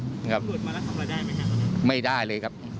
ถึงหลวดมาแล้วทำอะไรได้มั้ยครับ